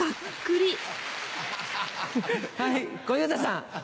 はい小遊三さん。